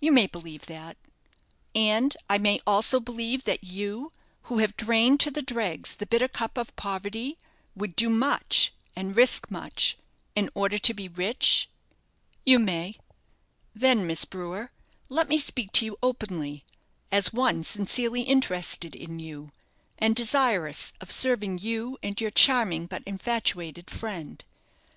"You may believe that." "And I may also believe that you, who have drained to the dregs the bitter cup of poverty, would do much, and risk much, in order to be rich?" "You may." "Then, Miss Brewer, let me speak to you openly, as one sincerely interested in you, and desirous of serving you and your charming but infatuated friend.